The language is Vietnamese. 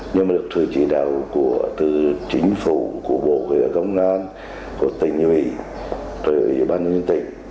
nhưng mà được thừa chỉ đạo từ chính phủ của bộ công an của tỉnh từ bàn nhân dân tỉnh